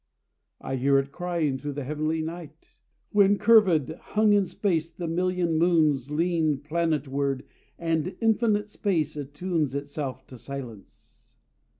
I hear it crying through the heavenly night, When curvèd, hung in space, the million moons Lean planet ward, and infinite space attunes Itself to silence.